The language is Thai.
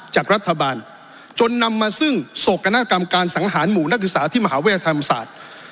จากรัฐบาลจนนำมาซึ่งโศกนากรรมการสังหารหมู่นักศึกษาที่มหาวิทยาลัยธรรมศาสตร์